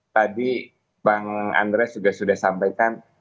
tadi bang andres sudah sampaikan